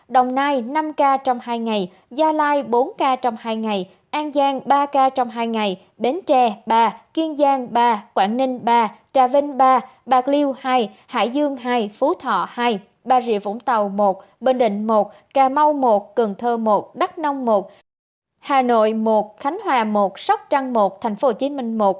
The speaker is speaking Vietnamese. đồng nai năm ca trong hai ngày gia lai bốn ca trong hai ngày an giang ba ca trong hai ngày bến tre ba kiên giang ba quảng ninh ba trà vinh ba bạc liêu hai hải dương hai phú thọ hai bà rịa vũng tàu một bình định một cà mau một cường thơ một đắk nông một hà nội một khánh hòa một sóc trăng một tp hcm một